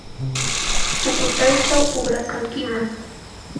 pukutaychaw uqrakankiman.